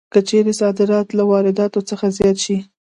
که چېرې صادرات له وارداتو څخه زیات شي